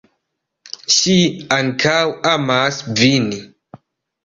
Ŝi ankaŭ amas vin.